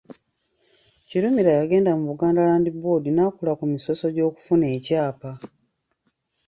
Kirumira yagenda mu Buganda Land Board n'akola ku misoso gy'okufuna ekyapa.